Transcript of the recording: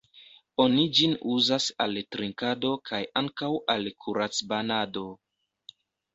Oni ĝin uzas al trinkado kaj ankaŭ al kurac-banado.